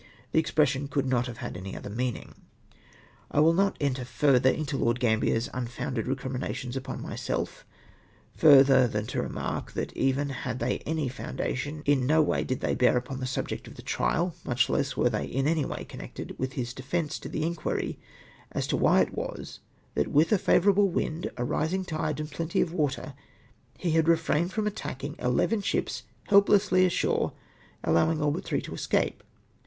The ex pression could not have had any other meaning. I v/ill not enter furtlier into Lord Gambier's mi founded recriminations upon myself, fuither than to remark, thai even had they any foundation, in no way did they bear upon the subject of the trial, much less Avere they in any way connected with his defence tcj the inquiry as to ichii it icas; that ivith a favourable wind, a rising tide, and plenti/ of water, he had re frained from attacking eleven ships helplessly ashore, allowing all hut three to escape